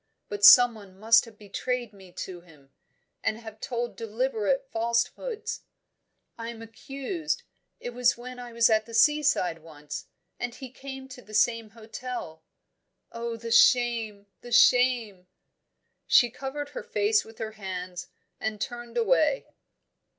But someone must have betrayed me to him, and have told deliberate falsehoods. I am accused it was when I was at the seaside once and he came to the same hotel Oh, the shame, the shame!" She covered her face with her hands, and turned away.